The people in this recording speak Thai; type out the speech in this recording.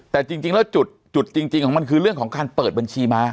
แต่จริงแล้วจุดจริงของมันคือเรื่องของการเปิดบัญชีม้า